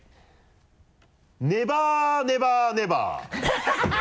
ネバーネバーネバー。